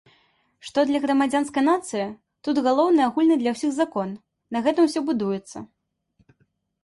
Што да грамадзянскай нацыі, тут галоўны агульны для ўсіх закон, на гэтым усё будуецца.